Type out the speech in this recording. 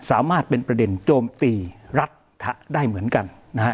สามารถเป็นประเด็นโจมตีรัฐได้เหมือนกันนะฮะ